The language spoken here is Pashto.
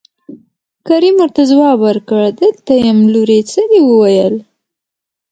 کريم ورته ځواب ورکړ دلته يم لورې څه دې وويل.